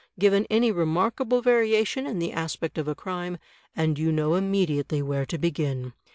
Given any remarkable variation in the aspect of a crime, and you know immediately where to begin.